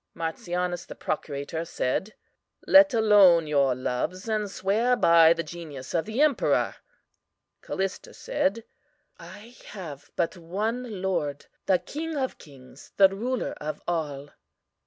"MARTIANUS, the procurator, said: Let alone your loves, and swear by the genius of the emperor. "CALLISTA said: I have but one Lord, the King of kings, the Ruler of all.